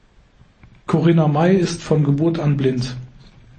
Corinna May ist von Geburt an blind.